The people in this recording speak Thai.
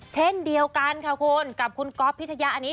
เช่นเดียวกันค่ะคุณกับคุณก๊อฟพิชยะอันนี้